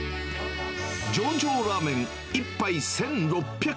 上々ラーメン、１杯１６００円。